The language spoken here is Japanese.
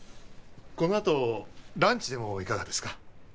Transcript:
この後ランチでもいかがですか？